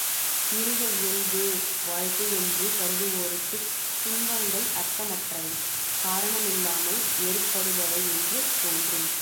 மிருக இயல்பே வாழ்க்கை யென்று கருதுவோருக்குத் துன்பங்கள் அர்த்தமற்றவை, காரணமில்லாமல் ஏற்படுபவை என்று தோன்றும்.